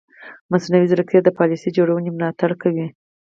مصنوعي ځیرکتیا د پالیسي جوړونې ملاتړ کوي.